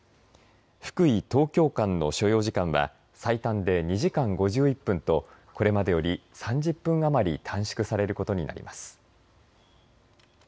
福井・東京間の所要時間は最短で２時間５１分とこれまでより３０分余り短縮されることになります。